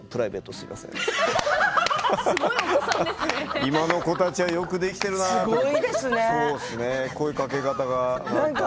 すいませんと今の子たちはよくできているなと声のかけ方とか。